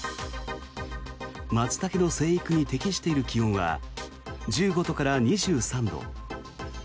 マツタケの生育に適している気温は１５度から２３度。